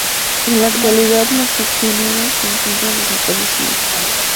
En la actualidad los "Ostioneros" se encuentran desaparecidos.